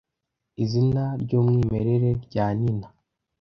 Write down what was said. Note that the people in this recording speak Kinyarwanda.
Izina ryumwimerere rya nina